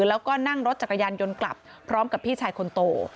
แล้วก็นั่งรถจักรยานยนต์กลับพร้อมกับพี่ชายคนโต